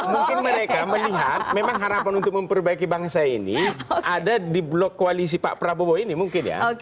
mungkin mereka melihat memang harapan untuk memperbaiki bangsa ini ada di blok koalisi pak prabowo ini mungkin ya